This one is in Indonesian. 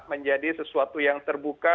menjadi sesuatu yang terbuka